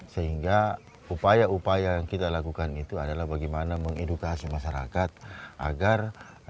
sehingga upaya upaya yang kita lakukan itu adalah bagaimana mengedukasi masyarakat agar